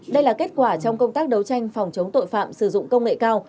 đây là kết quả trong công tác đấu tranh phòng chống tội phạm sử dụng công nghệ cao